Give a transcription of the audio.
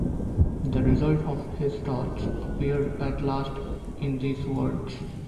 The result of his thoughts appeared at last in these words.